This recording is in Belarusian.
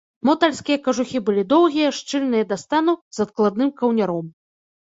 Мотальскія кажухі былі доўгія, шчыльныя да стану з адкладным каўняром.